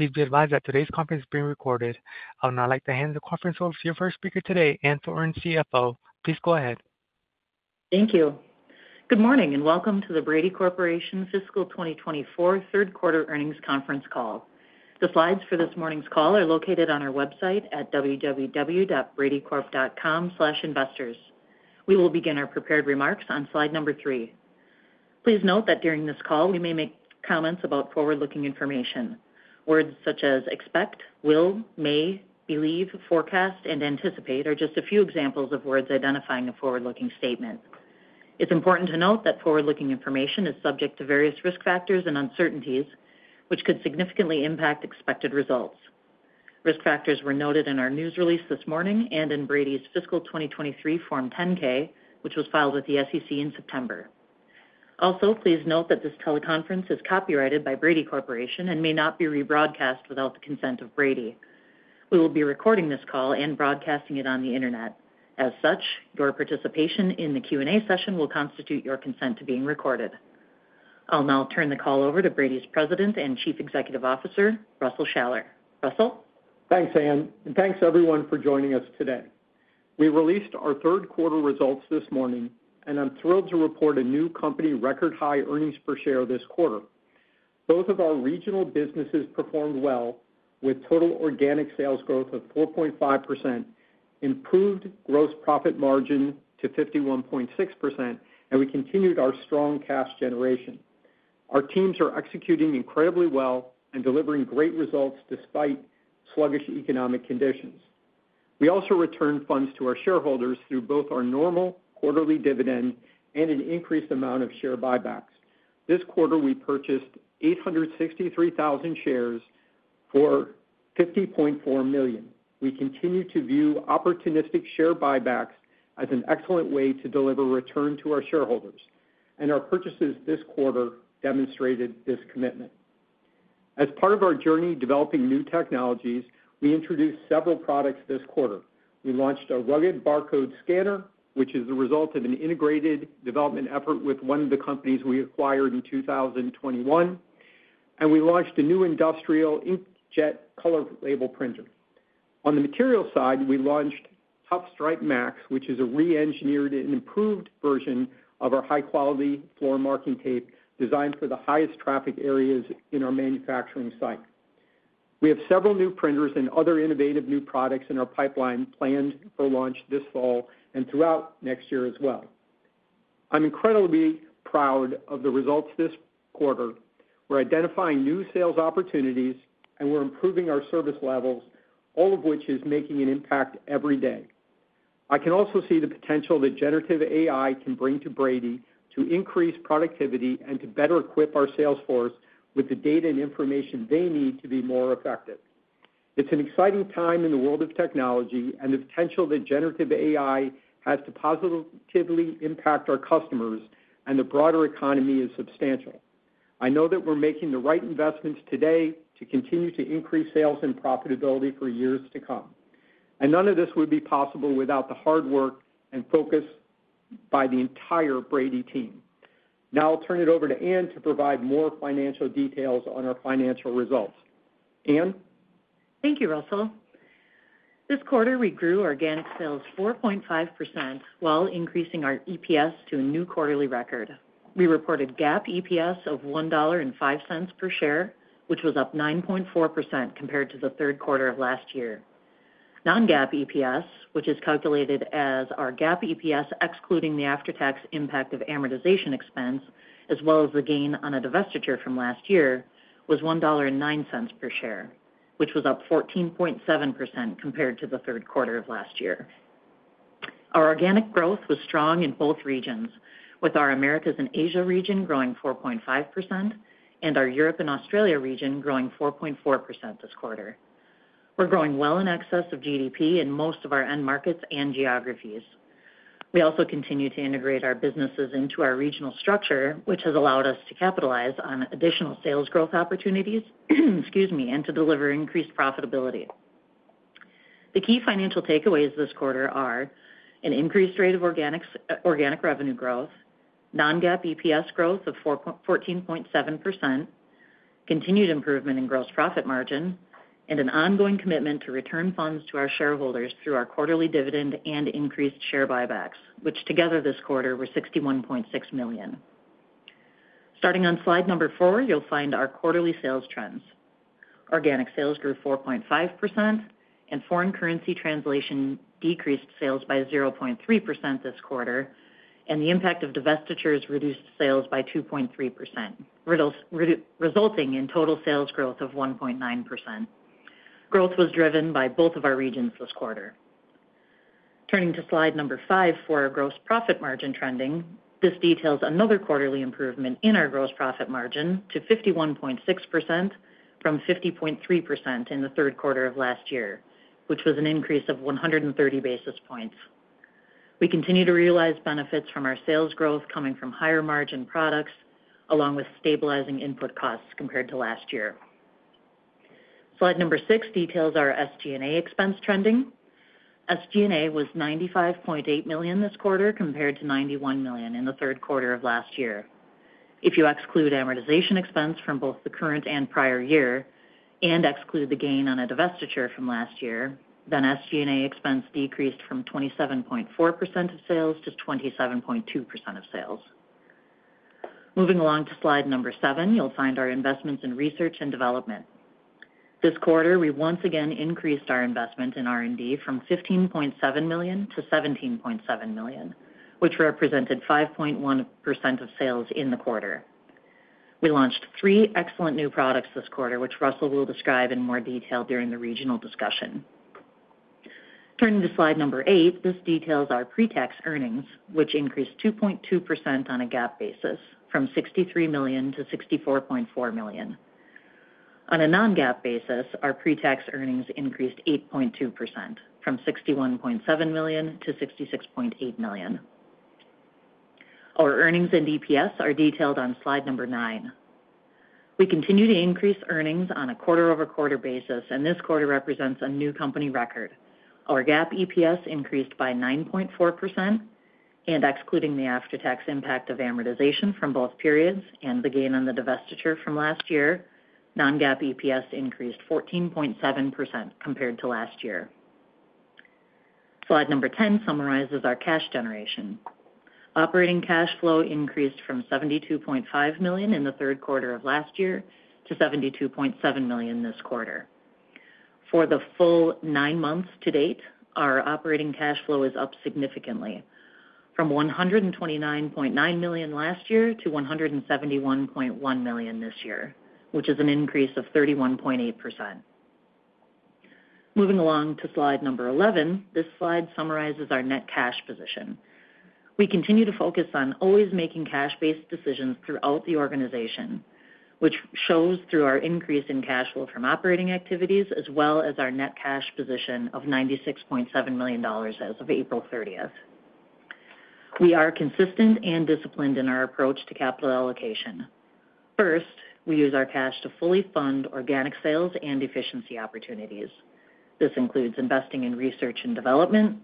Please be advised that today's conference is being recorded. I would now like to hand the conference over to your first speaker today, Ann Thornton, CFO. Please go ahead. Thank you. Good morning, and welcome to the Brady Corporation Fiscal 2024 Third Quarter Earnings Conference Call. The slides for this morning's call are located on our website at www.bradycorp.com/investors. We will begin our prepared remarks on slide number 3. Please note that during this call, we may make comments about forward-looking information. Words such as expect, will, may, believe, forecast, and anticipate are just a few examples of words identifying a forward-looking statement. It's important to note that forward-looking information is subject to various risk factors and uncertainties, which could significantly impact expected results. Risk factors were noted in our news release this morning and in Brady's fiscal 2023 Form 10-K, which was filed with the SEC in September. Also, please note that this teleconference is copyrighted by Brady Corporation and may not be rebroadcast without the consent of Brady. We will be recording this call and broadcasting it on the Internet. As such, your participation in the Q&A session will constitute your consent to being recorded. I'll now turn the call over to Brady's President and Chief Executive Officer, Russell Shaller. Russell? Thanks, Ann, and thanks everyone for joining us today. We released our third quarter results this morning, and I'm thrilled to report a new company record-high earnings per share this quarter. Both of our regional businesses performed well, with total organic sales growth of 4.5%, improved gross profit margin to 51.6%, and we continued our strong cash generation. Our teams are executing incredibly well and delivering great results despite sluggish economic conditions. We also returned funds to our shareholders through both our normal quarterly dividend and an increased amount of share buybacks. This quarter, we purchased 863,000 shares for $50.4 million. We continue to view opportunistic share buybacks as an excellent way to deliver return to our shareholders, and our purchases this quarter demonstrated this commitment. As part of our journey developing new technologies, we introduced several products this quarter. We launched a rugged barcode scanner, which is the result of an integrated development effort with one of the companies we acquired in 2021, and we launched a new industrial inkjet color label printer. On the material side, we launched ToughStripe Max, which is a reengineered and improved version of our high-quality floor marking tape, designed for the highest traffic areas in our manufacturing site. We have several new printers and other innovative new products in our pipeline planned for launch this fall and throughout next year as well. I'm incredibly proud of the results this quarter. We're identifying new sales opportunities, and we're improving our service levels, all of which is making an impact every day. I can also see the potential that Generative AI can bring to Brady to increase productivity and to better equip our sales force with the data and information they need to be more effective. It's an exciting time in the world of technology, and the potential that Generative AI has to positively impact our customers and the broader economy is substantial. I know that we're making the right investments today to continue to increase sales and profitability for years to come, and none of this would be possible without the hard work and focus by the entire Brady team. Now I'll turn it over to Ann to provide more financial details on our financial results. Ann? Thank you, Russell. This quarter, we grew organic sales 4.5% while increasing our EPS to a new quarterly record. We reported GAAP EPS of $1.05 per share, which was up 9.4% compared to the third quarter of last year. Non-GAAP EPS, which is calculated as our GAAP EPS, excluding the after-tax impact of amortization expense, as well as the gain on a divestiture from last year, was $1.09 per share, which was up 14.7% compared to the third quarter of last year. Our organic growth was strong in both regions, with our Americas and Asia region growing 4.5%, and our Europe and Australia region growing 4.4% this quarter. We're growing well in excess of GDP in most of our end markets and geographies. We also continue to integrate our businesses into our regional structure, which has allowed us to capitalize on additional sales growth opportunities, excuse me, and to deliver increased profitability. The key financial takeaways this quarter are an increased rate of organic revenue growth, non-GAAP EPS growth of 14.7%, continued improvement in gross profit margin, and an ongoing commitment to return funds to our shareholders through our quarterly dividend and increased share buybacks, which together this quarter, were $61.6 million. Starting on slide number 4, you'll find our quarterly sales trends. Organic sales grew 4.5%, and foreign currency translation decreased sales by 0.3% this quarter, and the impact of divestitures reduced sales by 2.3%, resulting in total sales growth of 1.9%. Growth was driven by both of our regions this quarter. Turning to slide 5 for our gross profit margin trending. This details another quarterly improvement in our gross profit margin to 51.6% from 50.3% in the third quarter of last year, which was an increase of 130 basis points. We continue to realize benefits from our sales growth coming from higher-margin products, along with stabilizing input costs compared to last year. Slide 6 details our SG&A expense trending.... SG&A was $95.8 million this quarter, compared to $91 million in the third quarter of last year. If you exclude amortization expense from both the current and prior year, and exclude the gain on a divestiture from last year, then SG&A expense decreased from 27.4% of sales to 27.2% of sales. Moving along to slide 7, you'll find our investments in research and development. This quarter, we once again increased our investment in R&D from $15.7 million to $17.7 million, which represented 5.1% of sales in the quarter. We launched three excellent new products this quarter, which Russell will describe in more detail during the regional discussion. Turning to slide number 8, this details our pre-tax earnings, which increased 2.2% on a GAAP basis from $63 million to $64.4 million. On a non-GAAP basis, our pre-tax earnings increased 8.2% from $61.7 million to $66.8 million. Our earnings and EPS are detailed on slide number 9. We continue to increase earnings on a quarter-over-quarter basis, and this quarter represents a new company record. Our GAAP EPS increased by 9.4%, and excluding the after-tax impact of amortization from both periods and the gain on the divestiture from last year, non-GAAP EPS increased 14.7% compared to last year. Slide 10 summarizes our cash generation. Operating cash flow increased from $72.5 million in the third quarter of last year to $72.7 million this quarter. For the full nine months to date, our operating cash flow is up significantly from $129.9 million last year to $171.1 million this year, which is an increase of 31.8%. Moving along to Slide 11. This slide summarizes our net cash position. We continue to focus on always making cash-based decisions throughout the organization, which shows through our increase in cash flow from operating activities, as well as our net cash position of $96.7 million as of April 30. We are consistent and disciplined in our approach to capital allocation. First, we use our cash to fully fund organic sales and efficiency opportunities. This includes investing in research and development,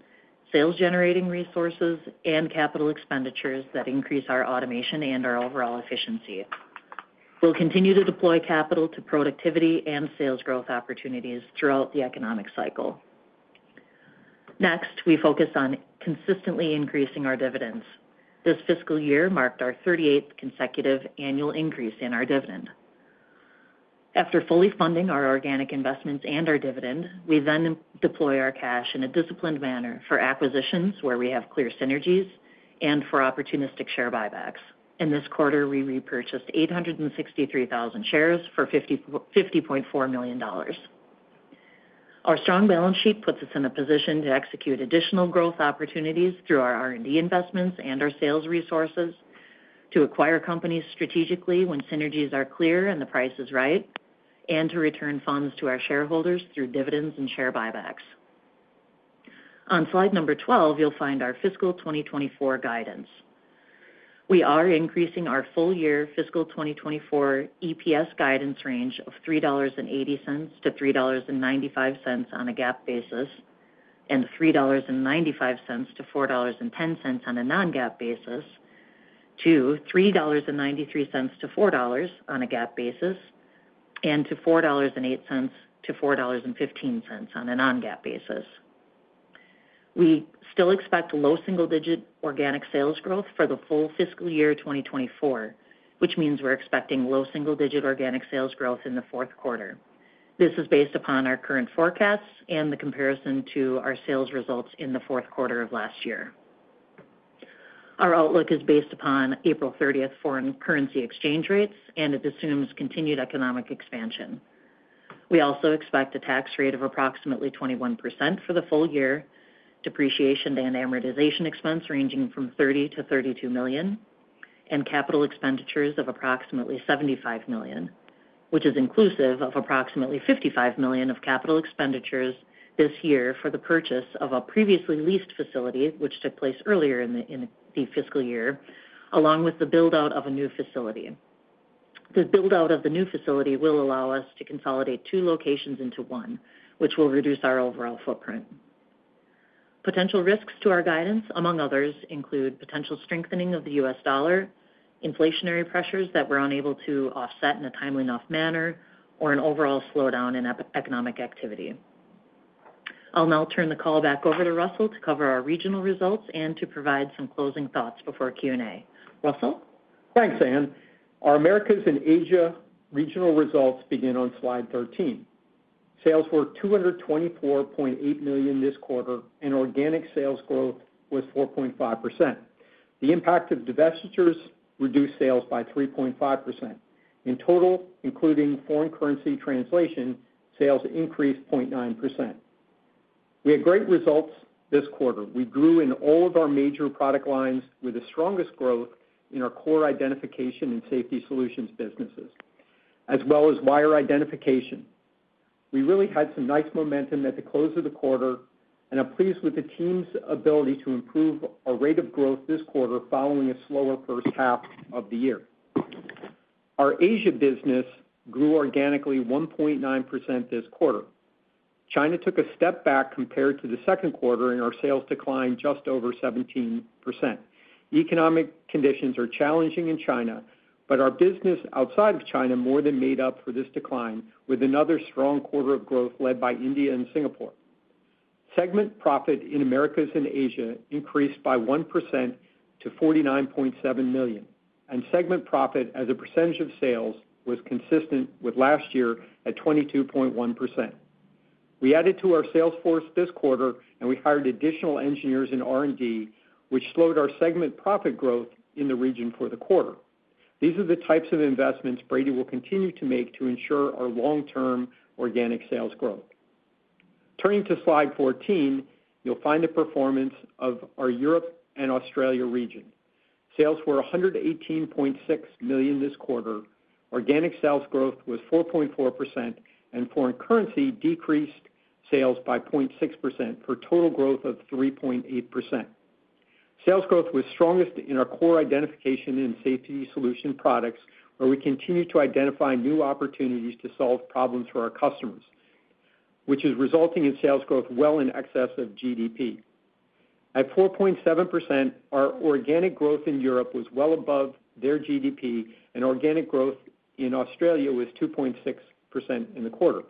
sales-generating resources, and capital expenditures that increase our automation and our overall efficiency. We'll continue to deploy capital to productivity and sales growth opportunities throughout the economic cycle. Next, we focus on consistently increasing our dividends. This fiscal year marked our 38th consecutive annual increase in our dividend. After fully funding our organic investments and our dividend, we then deploy our cash in a disciplined manner for acquisitions where we have clear synergies and for opportunistic share buybacks. In this quarter, we repurchased 863,000 shares for $50.4 million. Our strong balance sheet puts us in a position to execute additional growth opportunities through our R&D investments and our sales resources, to acquire companies strategically when synergies are clear and the price is right, and to return funds to our shareholders through dividends and share buybacks. On slide number 12, you'll find our fiscal 2024 guidance. We are increasing our full-year fiscal 2024 EPS guidance range of $3.80-$3.95 on a GAAP basis, and $3.95-$4.10 on a non-GAAP basis, to $3.93-$4.00 on a GAAP basis, and to $4.08-$4.15 on a non-GAAP basis. We still expect low single-digit organic sales growth for the full fiscal year 2024, which means we're expecting low single-digit organic sales growth in the fourth quarter. This is based upon our current forecasts and the comparison to our sales results in the fourth quarter of last year. Our outlook is based upon April 30 foreign currency exchange rates, and it assumes continued economic expansion. We also expect a tax rate of approximately 21% for the full year, depreciation and amortization expense ranging from $30-$32 million, and capital expenditures of approximately $75 million, which is inclusive of approximately $55 million of capital expenditures this year for the purchase of a previously leased facility, which took place earlier in the fiscal year, along with the build-out of a new facility. The build-out of the new facility will allow us to consolidate two locations into one, which will reduce our overall footprint. Potential risks to our guidance, among others, include potential strengthening of the US dollar, inflationary pressures that we're unable to offset in a timely enough manner, or an overall slowdown in economic activity. I'll now turn the call back over to Russell to cover our regional results and to provide some closing thoughts before Q&A. Russell? Thanks, Ann. Our Americas and Asia regional results begin on slide 13. Sales were $224.8 million this quarter, and organic sales growth was 4.5%. The impact of divestitures reduced sales by 3.5%. In total, including foreign currency translation, sales increased 0.9%. We had great results this quarter. We grew in all of our major product lines, with the strongest growth in our core identification and safety solutions businesses, as well as wire identification. We really had some nice momentum at the close of the quarter and are pleased with the team's ability to improve our rate of growth this quarter following a slower first half of the year. Our Asia business grew organically 1.9% this quarter. China took a step back compared to the second quarter, and our sales declined just over 17%. Economic conditions are challenging in China, but our business outside of China more than made up for this decline, with another strong quarter of growth led by India and Singapore. Segment profit in Americas and Asia increased by 1% to $49.7 million, and segment profit as a percentage of sales was consistent with last year at 22.1%. We added to our sales force this quarter, and we hired additional engineers in R&D, which slowed our segment profit growth in the region for the quarter. These are the types of investments Brady will continue to make to ensure our long-term organic sales growth. Turning to Slide 14, you'll find the performance of our Europe and Australia region. Sales were $118.6 million this quarter. Organic sales growth was 4.4%, and foreign currency decreased sales by 0.6% for total growth of 3.8%. Sales growth was strongest in our core identification and safety solution products, where we continue to identify new opportunities to solve problems for our customers, which is resulting in sales growth well in excess of GDP. At 4.7%, our organic growth in Europe was well above their GDP, and organic growth in Australia was 2.6% in the quarter.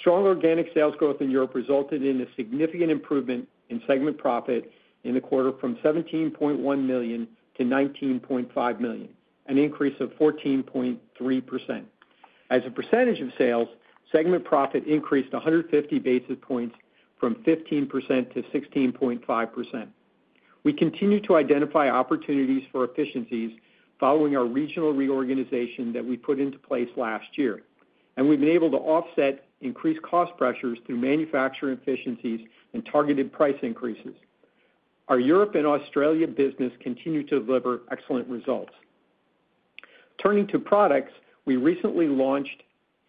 Strong organic sales growth in Europe resulted in a significant improvement in segment profit in the quarter from $17.1 million to $19.5 million, an increase of 14.3%. As a percentage of sales, segment profit increased 150 basis points from 15% to 16.5%. We continue to identify opportunities for efficiencies following our regional reorganization that we put into place last year, and we've been able to offset increased cost pressures through manufacturing efficiencies and targeted price increases. Our Europe and Australia business continue to deliver excellent results. Turning to products, we recently launched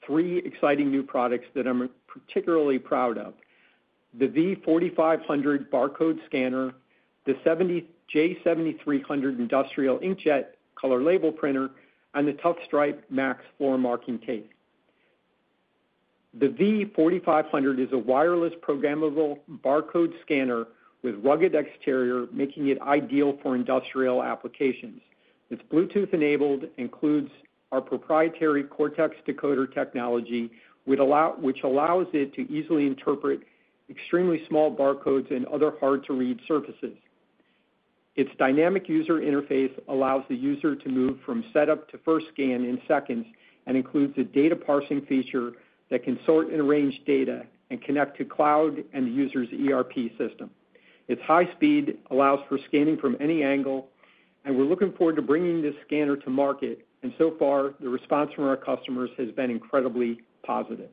three exciting new products that I'm particularly proud of: the V4500 barcode scanner, the J7300 industrial inkjet color label printer, and the ToughStripe Max floor marking tape. The V4500 is a wireless programmable barcode scanner with rugged exterior, making it ideal for industrial applications. It's Bluetooth-enabled, includes our proprietary CortexDecoder technology, which allows it to easily interpret extremely small barcodes and other hard-to-read surfaces. Its dynamic user interface allows the user to move from setup to first scan in seconds and includes a data parsing feature that can sort and arrange data and connect to cloud and the user's ERP system. Its high speed allows for scanning from any angle, and we're looking forward to bringing this scanner to market, and so far, the response from our customers has been incredibly positive.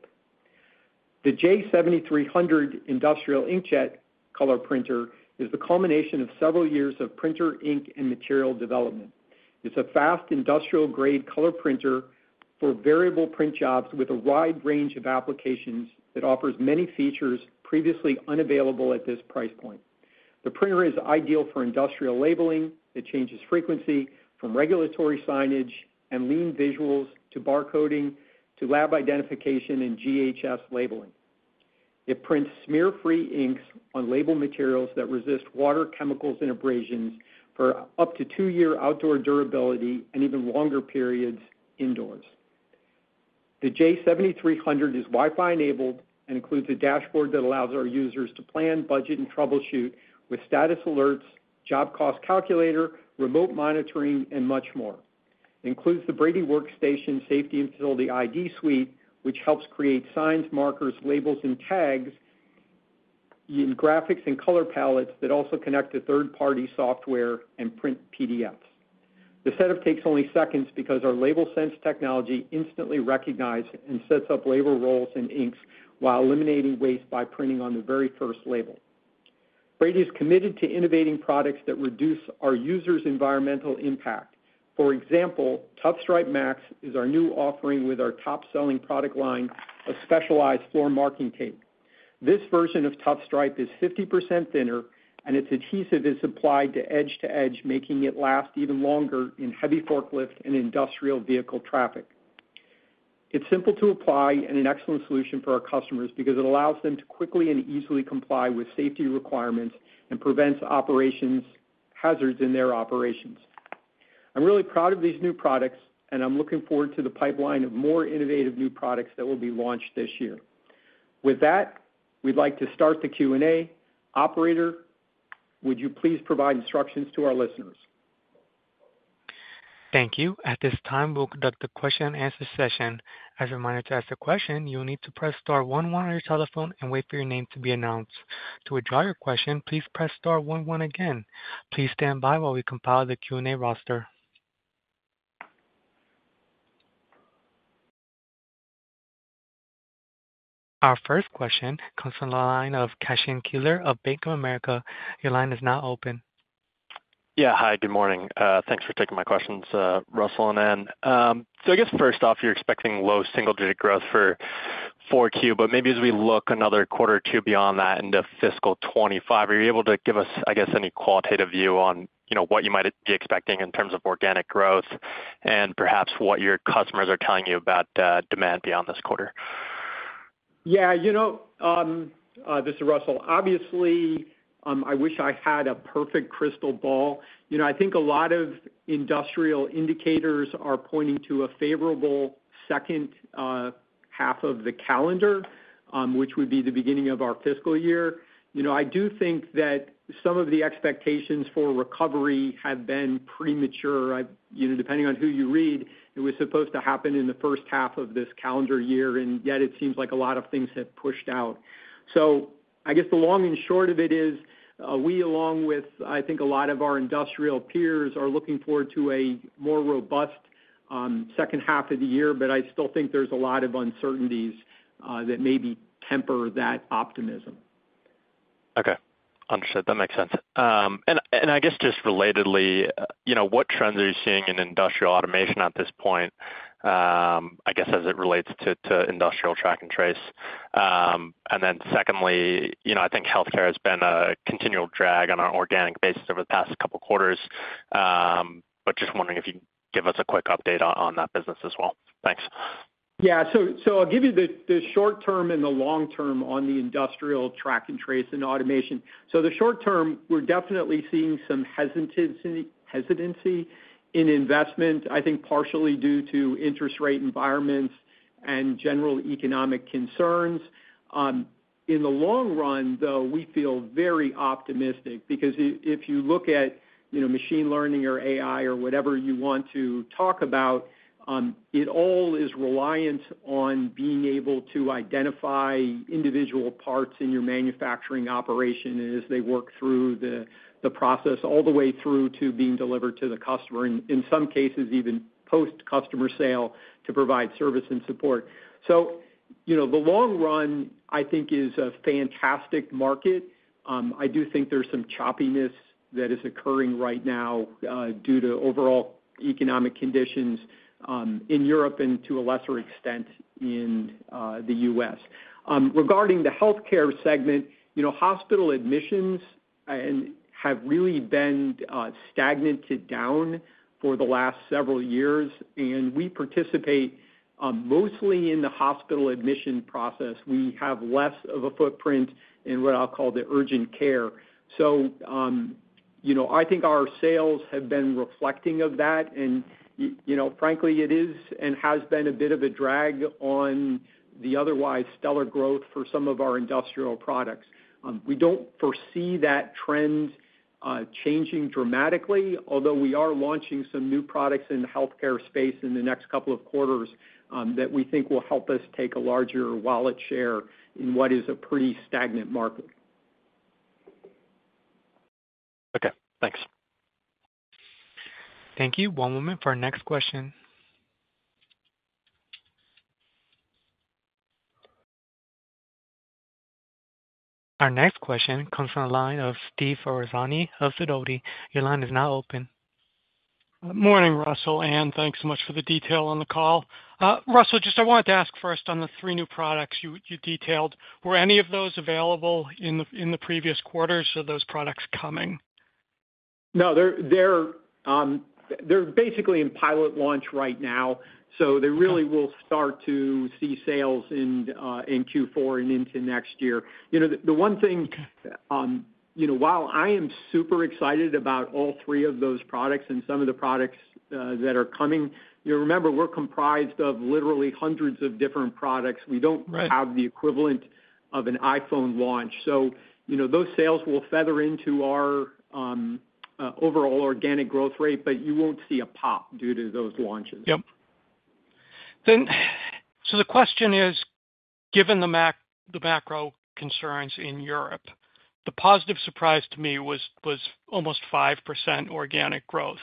The J7300 industrial inkjet color printer is the culmination of several years of printer ink and material development. It's a fast, industrial-grade color printer for variable print jobs with a wide range of applications that offers many features previously unavailable at this price point. The printer is ideal for industrial labeling. It changes frequency from regulatory signage and lean visuals to bar coding to lab identification and GHS labeling. It prints smear-free inks on label materials that resist water, chemicals, and abrasions for up to two-year outdoor durability and even longer periods indoors. The J7300 is Wi-Fi enabled and includes a dashboard that allows our users to plan, budget, and troubleshoot with status alerts, job cost calculator, remote monitoring, and much more. Includes the Brady Workstation Safety and Facility ID Suite, which helps create signs, markers, labels, and tags in graphics and color palettes that also connect to third-party software and print PDFs. The setup takes only seconds because our LabelSense technology instantly recognizes and sets up label rolls and inks while eliminating waste by printing on the very first label. Brady is committed to innovating products that reduce our users' environmental impact. For example, ToughStripe Max is our new offering with our top-selling product line of specialized floor marking tape. This version of ToughStripe is 50% thinner, and its adhesive is applied to edge to edge, making it last even longer in heavy forklift and industrial vehicle traffic. It's simple to apply and an excellent solution for our customers because it allows them to quickly and easily comply with safety requirements and prevents operational hazards in their operations. I'm really proud of these new products, and I'm looking forward to the pipeline of more innovative new products that will be launched this year. With that, we'd like to start the Q&A. Operator, would you please provide instructions to our listeners? Thank you. At this time, we'll conduct the question-and-answer session. As a reminder, to ask a question, you will need to press star one one on your telephone and wait for your name to be announced. To withdraw your question, please press star one one again. Please stand by while we compile the Q&A roster. Our first question comes from the line of Cashen Keeler of Bank of America. Your line is now open. Yeah. Hi, good morning. Thanks for taking my questions, Russell and Ann. So I guess first off, you're expecting low single-digit growth for... 4Q, but maybe as we look another quarter or two beyond that into fiscal 2025, are you able to give us, I guess, any qualitative view on, you know, what you might be expecting in terms of organic growth and perhaps what your customers are telling you about, demand beyond this quarter? Yeah, you know, this is Russell. Obviously, I wish I had a perfect crystal ball. You know, I think a lot of industrial indicators are pointing to a favorable second half of the calendar, which would be the beginning of our fiscal year. You know, I do think that some of the expectations for recovery have been premature. You know, depending on who you read, it was supposed to happen in the first half of this calendar year, and yet it seems like a lot of things have pushed out. So I guess the long and short of it is, we, along with, I think, a lot of our industrial peers, are looking forward to a more robust second half of the year, but I still think there's a lot of uncertainties that maybe temper that optimism. Okay. Understood. That makes sense. And I guess just relatedly, you know, what trends are you seeing in industrial automation at this point, I guess, as it relates to industrial track and trace? And then secondly, you know, I think healthcare has been a continual drag on an organic basis over the past couple quarters, but just wondering if you could give us a quick update on that business as well. Thanks. Yeah. So I'll give you the short term and the long term on the industrial track and trace and automation. So the short term, we're definitely seeing some hesitancy in investment, I think partially due to interest rate environments and general economic concerns. In the long run, though, we feel very optimistic because if you look at, you know, machine learning or AI or whatever you want to talk about, it all is reliant on being able to identify individual parts in your manufacturing operation as they work through the process, all the way through to being delivered to the customer, and in some cases, even post-customer sale, to provide service and support. So, you know, the long run, I think, is a fantastic market. I do think there's some choppiness that is occurring right now, due to overall economic conditions, in Europe and to a lesser extent, in the US. Regarding the healthcare segment, you know, hospital admissions and have really been stagnant to down for the last several years, and we participate mostly in the hospital admission process. We have less of a footprint in what I'll call the urgent care. So, you know, I think our sales have been reflecting of that, and you know, frankly, it is and has been a bit of a drag on the otherwise stellar growth for some of our industrial products. We don't foresee that trend changing dramatically, although we are launching some new products in the healthcare space in the next couple of quarters, that we think will help us take a larger wallet share in what is a pretty stagnant market. Okay, thanks. Thank you. One moment for our next question. Our next question comes from the line of Steve Ferazani of Sidoti. Your line is now open. Morning, Russell, and thanks so much for the detail on the call. Russell, just I wanted to ask first on the three new products you detailed, were any of those available in the previous quarters, or are those products coming? No, they're basically in pilot launch right now, so they really will start to see sales in Q4 and into next year. You know, the one thing, you know, while I am super excited about all three of those products and some of the products that are coming, you remember, we're comprised of literally hundreds of different products. Right. We don't have the equivalent of an iPhone launch. So, you know, those sales will feather into our overall organic growth rate, but you won't see a pop due to those launches. Yep. Then, so the question is, given the macro concerns in Europe, the positive surprise to me was almost 5% organic growth.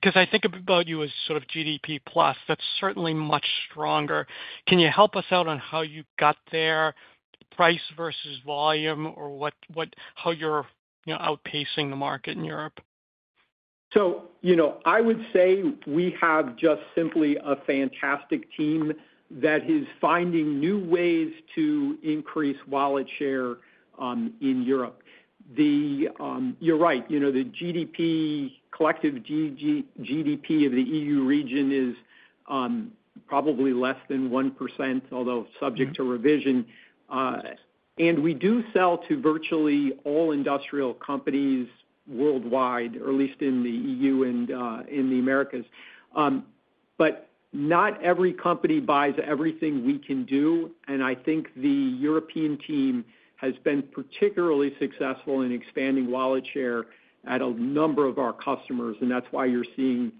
'Cause I think about you as sort of GDP plus. That's certainly much stronger. Can you help us out on how you got there, price versus volume, or what, how you're, you know, outpacing the market in Europe? So, you know, I would say we have just simply a fantastic team that is finding new ways to increase wallet share in Europe. The... You're right, you know, the GDP, collective GDP of the EU region is probably less than 1%, although- Mm-hmm... subject to revision. We do sell to virtually all industrial companies worldwide, or at least in the EU and in the Americas. But not every company buys everything we can do, and I think the European team has been particularly successful in expanding wallet share at a number of our customers, and that's why you're seeing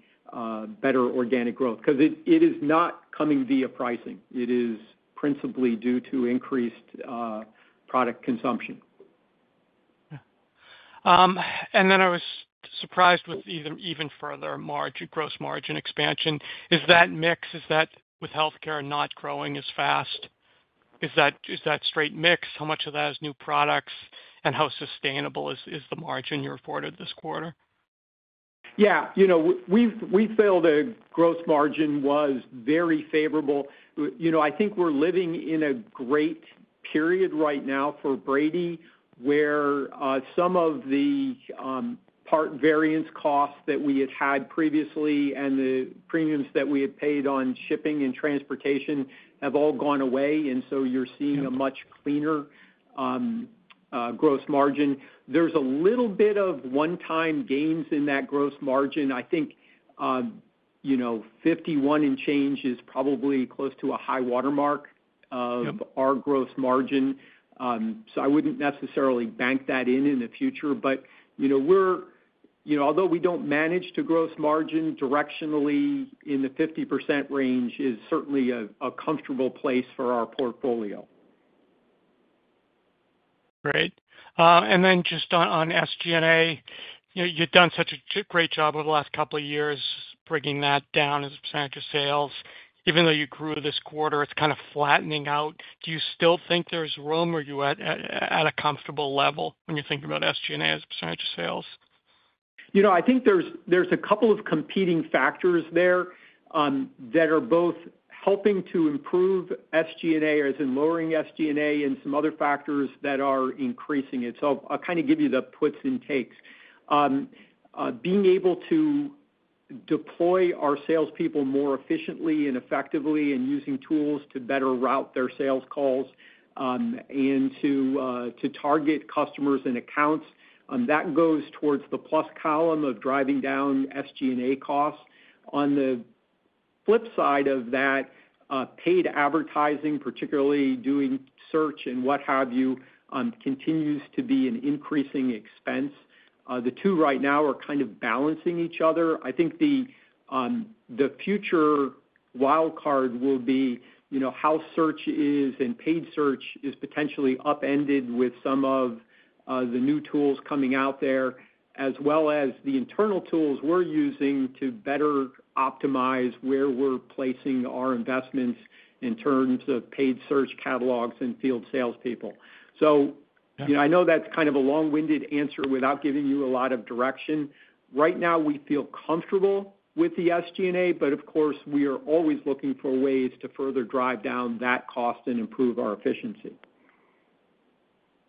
better organic growth. Because it is not coming via pricing. It is principally due to increased product consumption. Yeah. And then I was surprised with even further margin, gross margin expansion. Is that mix, is that with healthcare not growing as fast? Is that straight mix? How much of that is new products, and how sustainable is the margin you reported this quarter?... Yeah, you know, we feel the gross margin was very favorable. You know, I think we're living in a great period right now for Brady, where some of the part variance costs that we had had previously and the premiums that we had paid on shipping and transportation have all gone away, and so you're seeing a much cleaner gross margin. There's a little bit of one-time gains in that gross margin. I think you know, 51 and change is probably close to a high watermark of- Yep - our gross margin. So I wouldn't necessarily bank that in the future, but, you know, we're- You know, although we don't manage to gross margin directionally, in the 50% range is certainly a comfortable place for our portfolio. Great. And then just on SG&A, you know, you've done such a great job over the last couple of years, bringing that down as a percentage of sales. Even though you grew this quarter, it's kind of flattening out. Do you still think there's room, or are you at a comfortable level when you think about SG&A as a percentage of sales? You know, I think there's a couple of competing factors there, that are both helping to improve SG&A, as in lowering SG&A and some other factors that are increasing it. So I'll kind of give you the puts and takes. Being able to deploy our salespeople more efficiently and effectively and using tools to better route their sales calls, and to target customers and accounts, that goes towards the plus column of driving down SG&A costs. On the flip side of that, paid advertising, particularly doing search and what have you, continues to be an increasing expense. The two right now are kind of balancing each other. I think the future wild card will be, you know, how search is and paid search is potentially upended with some of the new tools coming out there, as well as the internal tools we're using to better optimize where we're placing our investments in terms of paid search catalogs and field salespeople. So- Yeah ... I know that's kind of a long-winded answer without giving you a lot of direction. Right now, we feel comfortable with the SG&A, but of course, we are always looking for ways to further drive down that cost and improve our efficiency.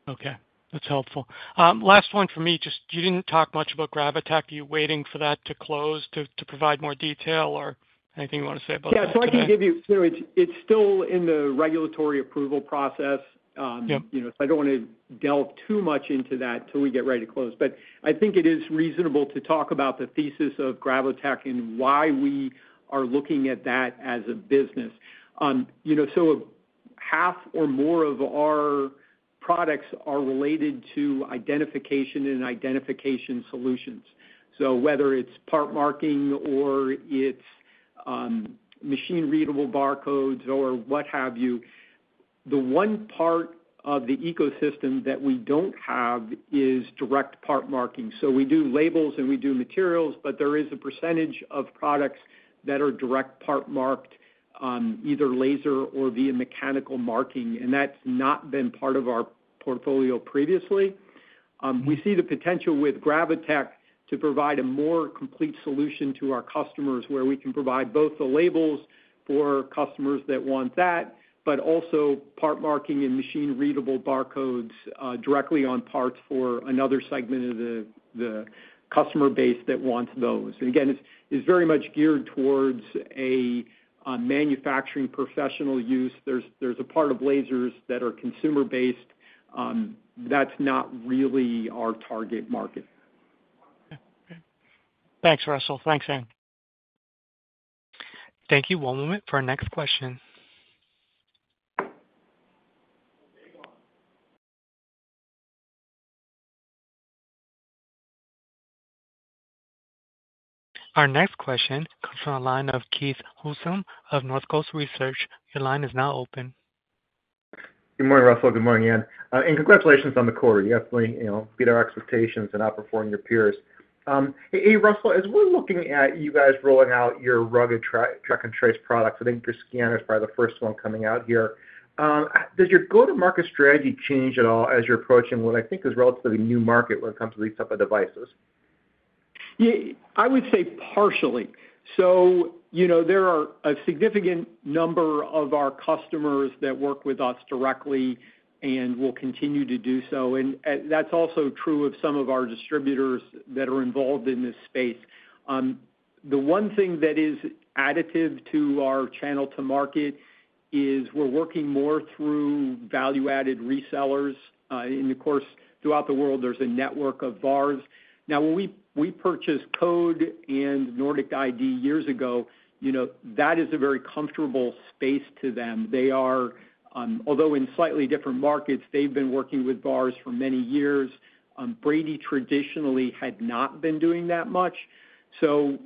Okay, that's helpful. Last one for me, just you didn't talk much about Gravotech. Are you waiting for that to close to provide more detail, or anything you want to say about that today? Yeah, so I can give you— So it's still in the regulatory approval process. Yep ... you know, so I don't want to delve too much into that till we get ready to close. But I think it is reasonable to talk about the thesis of Gravotech and why we are looking at that as a business. You know, so half or more of our products are related to identification and identification solutions. So whether it's part marking or it's machine-readable barcodes or what have you, the one part of the ecosystem that we don't have is Direct Part Marking. So we do labels, and we do materials, but there is a percentage of products that are direct part marked, either laser or via mechanical marking, and that's not been part of our portfolio previously. We see the potential with Gravotech to provide a more complete solution to our customers, where we can provide both the labels for customers that want that, but also part marking and machine-readable barcodes directly on parts for another segment of the, the customer base that wants those. And again, it's, it's very much geared towards a manufacturing professional use. There's, there's a part of lasers that are consumer-based, that's not really our target market. Okay. Thanks, Russell. Thanks, Ann. Thank you. One moment for our next question. Our next question comes from the line of Keith Housum of Northcoast Research. Your line is now open. Good morning, Russell. Good morning, Ann, and congratulations on the quarter. You definitely, you know, beat our expectations and outperformed your peers. Hey, Russell, as we're looking at you guys rolling out your rugged track and trace products, I think your scanner is probably the first one coming out here. Does your go-to-market strategy change at all as you're approaching what I think is a relatively new market when it comes to these type of devices? Yeah, I would say partially. So, you know, there are a significant number of our customers that work with us directly and will continue to do so. And that's also true of some of our distributors that are involved in this space. The one thing that is additive to our channel to market is we're working more through value-added resellers. And of course, throughout the world, there's a network of VARs. Now, when we purchased Code and Nordic ID years ago, you know, that is a very comfortable space to them. They are, although in slightly different markets, they've been working with VARs for many years. Brady traditionally had not been doing that much. So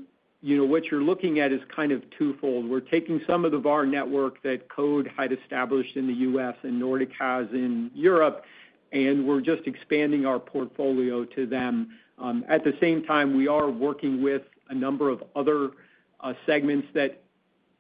you know, what you're looking at is kind of twofold. We're taking some of the VAR network that Code had established in the US and Nordic has in Europe, and we're just expanding our portfolio to them. At the same time, we are working with a number of other segments that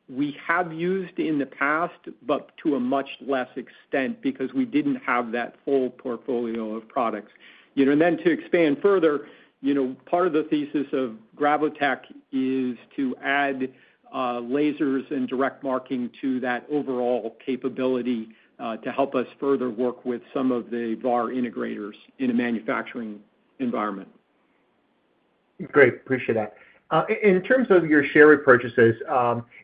we have used in the past, but to a much less extent because we didn't have that full portfolio of products. You know, and then to expand further, you know, part of the thesis of Gravotech is to add lasers and direct marking to that overall capability, to help us further work with some of the VAR integrators in a manufacturing environment. Great. Appreciate that. In terms of your share repurchases,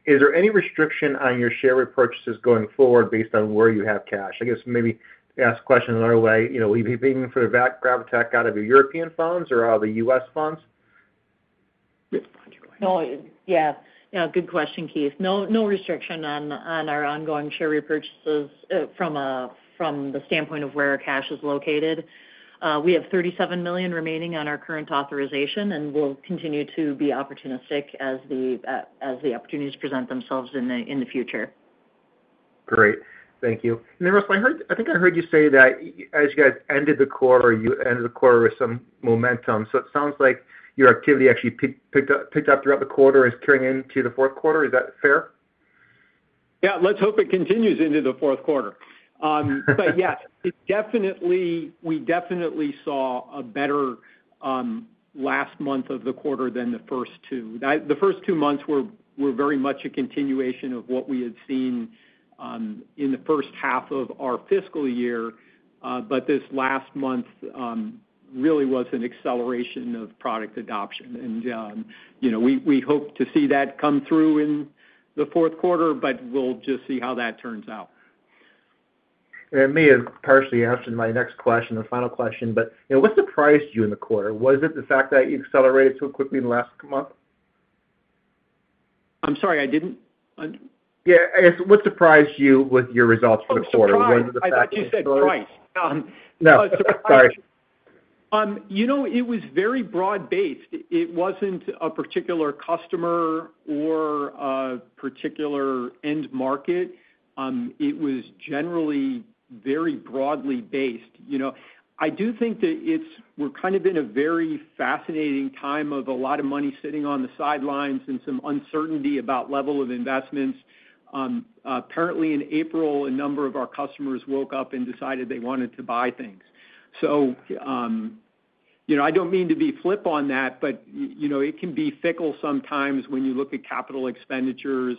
is there any restriction on your share repurchases going forward based on where you have cash? I guess maybe ask the question another way, you know, will you be paying for the Vac Gravotech out of your European funds or out of the US funds? Yeah, why don't you? No. Yeah, yeah, good question, Keith. No, no restriction on our ongoing share repurchases from a standpoint of where our cash is located. We have $37 million remaining on our current authorization, and we'll continue to be opportunistic as the opportunities present themselves in the future. Great. Thank you. And then, Russell, I heard. I think I heard you say that as you guys ended the quarter, you ended the quarter with some momentum. So it sounds like your activity actually picked up throughout the quarter and is carrying into the fourth quarter. Is that fair? Yeah, let's hope it continues into the fourth quarter. But yes, we definitely saw a better last month of the quarter than the first two. The first two months were very much a continuation of what we had seen in the first half of our fiscal year. But this last month really was an acceleration of product adoption. And you know, we hope to see that come through in the fourth quarter, but we'll just see how that turns out. And me, partially asking my next question, the final question, but, you know, what surprised you in the quarter? Was it the fact that you accelerated so quickly in the last month? I'm sorry, I didn't? Yeah, I guess, what surprised you with your results for the quarter? Oh, surprised. Was it the fact that- I thought you said price. No. Sorry. You know, it was very broad-based. It wasn't a particular customer or a particular end market. It was generally very broadly based. You know, I do think that it's... We're kind of in a very fascinating time of a lot of money sitting on the sidelines and some uncertainty about level of investments. Apparently, in April, a number of our customers woke up and decided they wanted to buy things. So, you know, I don't mean to be flip on that, but, you know, it can be fickle sometimes when you look at capital expenditures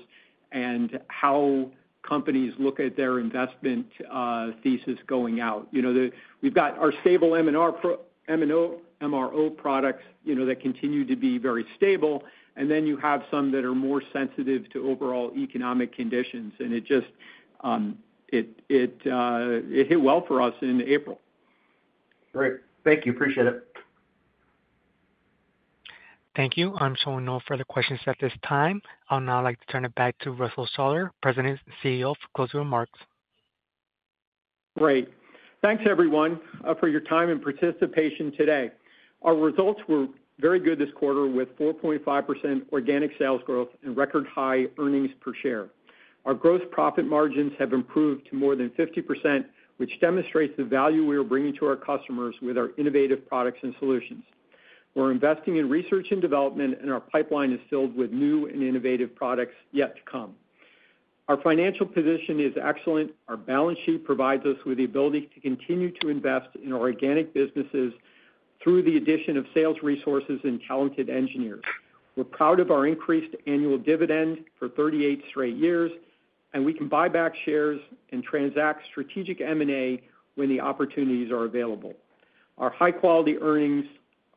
and how companies look at their investment thesis going out. You know, we've got our stable MRO products, you know, that continue to be very stable, and then you have some that are more sensitive to overall economic conditions, and it just hit well for us in April. Great. Thank you. Appreciate it. Thank you. I'm showing no further questions at this time. I'll now like to turn it back to Russell Shaller, President and CEO, for closing remarks. Great. Thanks, everyone, for your time and participation today. Our results were very good this quarter, with 4.5% organic sales growth and record high earnings per share. Our gross profit margins have improved to more than 50%, which demonstrates the value we are bringing to our customers with our innovative products and solutions. We're investing in research and development, and our pipeline is filled with new and innovative products yet to come. Our financial position is excellent. Our balance sheet provides us with the ability to continue to invest in our organic businesses through the addition of sales resources and talented engineers. We're proud of our increased annual dividend for 38 straight years, and we can buy back shares and transact strategic M&A when the opportunities are available. Our high-quality earnings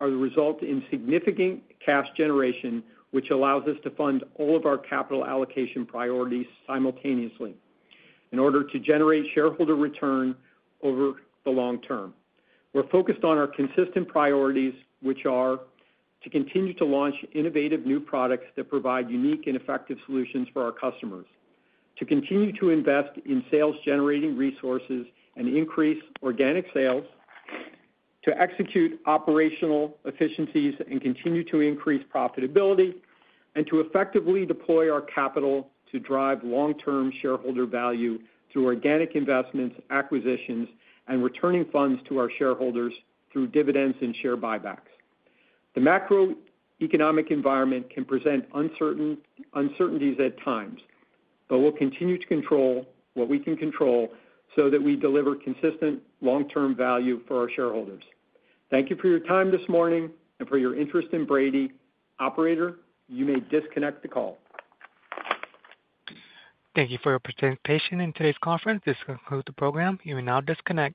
are the result of significant cash generation, which allows us to fund all of our capital allocation priorities simultaneously in order to generate shareholder return over the long term. We're focused on our consistent priorities, which are: to continue to launch innovative new products that provide unique and effective solutions for our customers, to continue to invest in sales-generating resources and increase organic sales, to execute operational efficiencies and continue to increase profitability, and to effectively deploy our capital to drive long-term shareholder value through organic investments, acquisitions, and returning funds to our shareholders through dividends and share buybacks. The macroeconomic environment can present uncertainties at times, but we'll continue to control what we can control so that we deliver consistent long-term value for our shareholders. Thank you for your time this morning and for your interest in Brady. Operator, you may disconnect the call. Thank you for your participation in today's conference. This concludes the program. You may now disconnect.